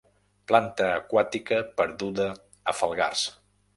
Planta aquàtica perduda a Falgars.